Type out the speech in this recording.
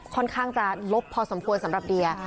ค่อนข้างจะลบพอสมควรสำหรับเดีย